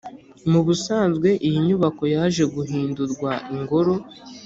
Mu busanzwe, iyi nyubako yaje guhindurwa ingoro